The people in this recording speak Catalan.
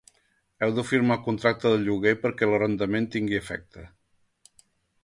Heu de firmar el contracte de lloguer perquè l'arrendament tingui efecte.